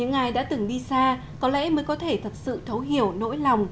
và người dân của hà tây thực sự rất tuyệt vời